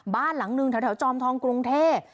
บ้านหลังนึงแถวจอมทองกรุงเทพ